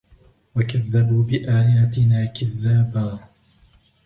وكذبوا بآياتنا كذابا